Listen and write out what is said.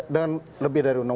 dengan lebih dari undang undang